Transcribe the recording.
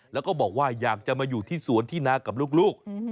แล้วก็บอกว่าอยากจะมาอยู่ที่สวนที่นากับลูก